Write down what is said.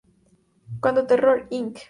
Cuando Terror Inc.